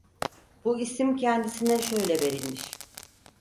Bu isim kendisine şöyle verilmiş: